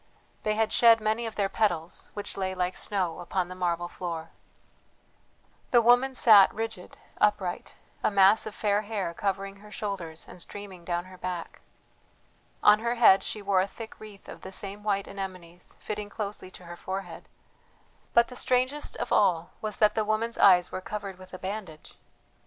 They had shed many of their petals, which lay like snow upon the marble floor. The woman sat rigid, upright, a mass of fair hair covering her shoulders and streaming down her back. On her head she wore a thick wreath of the same white anemones fitting closely to her forehead; but the strangest of all was that the woman's eyes were covered with a bandage.